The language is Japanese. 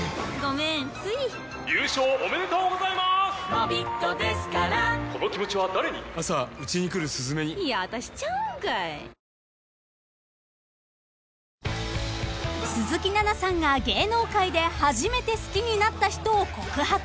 「もったいないをほっとけない」［鈴木奈々さんが芸能界で初めて好きになった人を告白］